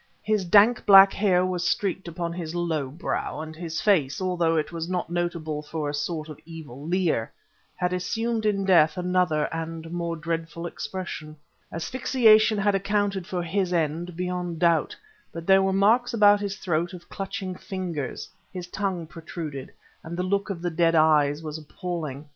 His dank black hair was streaked upon his low brow; and his face, although it was notable for a sort of evil leer, had assumed in death another and more dreadful expression. Asphyxiation had accounted for his end beyond doubt, but there were marks about his throat of clutching fingers, his tongue protruded, and the look in the dead eyes was appalling.